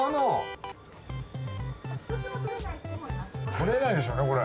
とれないでしょうねこれ。